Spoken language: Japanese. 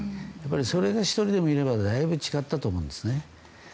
それが１人でもいればだいぶ違ったと思うんですね。